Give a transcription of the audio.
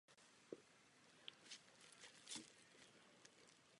Místo toho byl zatčen za špionáž a po ročním vězení poslán na Sibiř.